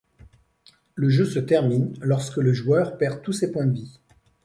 Le jeu se termine lorsque le joueur perd tous ses points de vie.